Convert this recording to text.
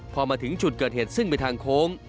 พอมาถึงจุดเกิดเหตุซึ่งเป็นทางโค้ง